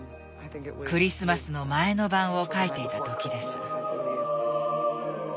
「クリスマスのまえのばん」を描いていた時です。